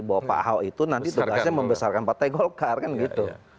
bahwa pak ahok itu nanti tugasnya membesarkan partai golkar kan gitu